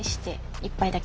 １杯だけ？